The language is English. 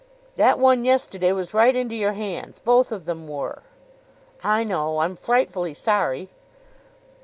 "That one yesterday was right into your hands. Both of them were." "I know. I'm frightfully sorry."